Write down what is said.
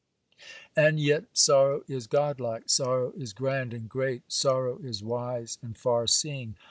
And yet sorrow is god like, sorrow is grand and great, sorrow is wise and far seeing.